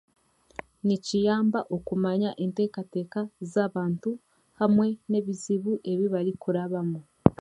Nikiyamba okumanya entekateeka z'abantu hamwe n'ebizibu ebi barikurabamu.